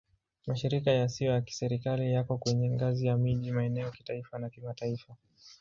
Mashirika yasiyo ya Kiserikali yako kwenye ngazi ya miji, maeneo, kitaifa na kimataifa.